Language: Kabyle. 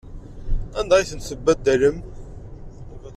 Anda ay ten-tembaddalemt?